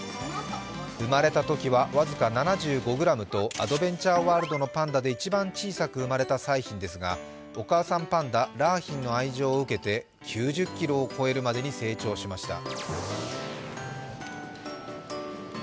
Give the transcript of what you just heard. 生まれたときは僅か７５ｇとアドベンチャーワールドのパンダで一番小さく生まれた彩浜ですがお母さんパンダ・良浜の愛情を受けて９０ｋｇを超えるまでに成長しました。